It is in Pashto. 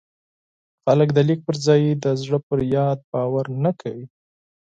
خلک د لیک پر ځای د زړه پر یاد باور نه کاوه.